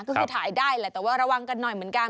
ก็คือถ่ายได้แหละแต่ว่าระวังกันหน่อยเหมือนกัน